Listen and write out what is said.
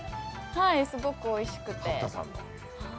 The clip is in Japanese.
すごくおいしくて。